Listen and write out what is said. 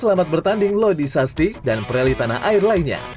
selamat bertanding lodi sasti dan preli tanah air lainnya